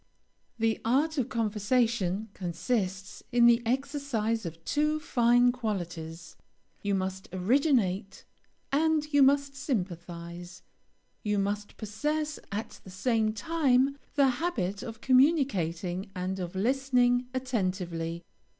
The art of conversation consists in the exercise of two fine qualities. You must originate, and you must sympathize; you must possess at the same time the habit of communicating and of listening attentively.